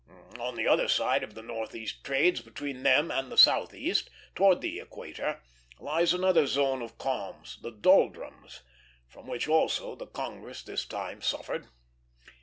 On the other side of the northeast trades, between them and the southeast, towards the equator, lies another zone of calms, the doldrums, from which also the Congress this time suffered.